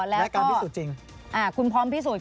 และก็และการพิสูจน์จริง